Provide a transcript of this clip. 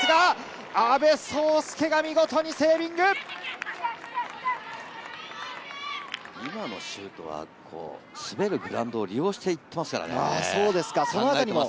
阿部創介が見事にセー今のシュートは滑るグラウンドを利用していきましたね。